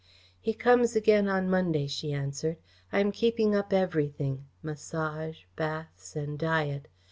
"He comes again on Monday," she answered. "I am keeping up everything massage, baths and diet.